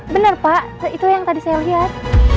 benar pak itu yang tadi saya lihat